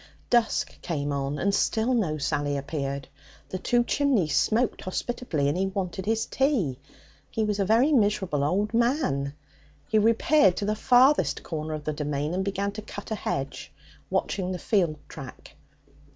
Dusk came on and still no Sally appeared. The two chimneys smoked hospitably, and he wanted his tea. He was a very miserable old man. He repaired to the farthest corner of the domain and began to cut a hedge, watching the field track.